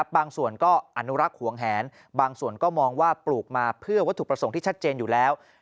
บางส่วนก็อนุรักษ์หวงแหนบางส่วนก็มองว่าปลูกมาเพื่อวัตถุประสงค์ที่ชัดเจนอยู่แล้ว